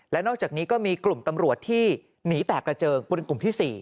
และนอกจากนี้ก็มีกลุ่มตำรวจที่หนีแตกกระเจิงเป็นกลุ่มที่๔